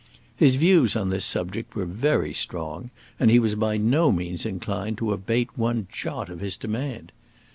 His views on this subject were very strong, and he was by no means inclined to abate one jot of his demand.